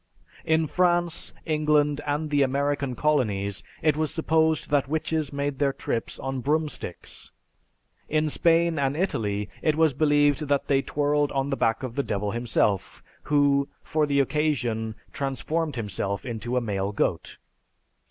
In France, England, and the American Colonies, it was supposed that witches made their trips on broomsticks; in Spain and Italy it was believed that they twirled on the back of the Devil himself, who, for the occasion, transformed himself into male goat.